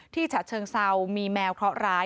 ที่ฉัดเชิงเศร้ามีแมวเคราะห์ร้าย